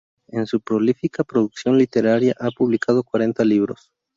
En su prolífica producción literaria ha publicado cuarenta libros.